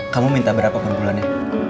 kamu minta berapa perbulannya